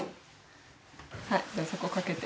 はいじゃあそこかけて。